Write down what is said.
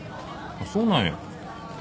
そうなんや。